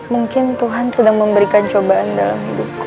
mungkin tuhan sedang memberikan cobaan dalam hidupku